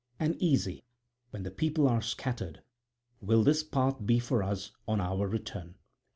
And easy, when the people are scattered, will this path be for us on our return."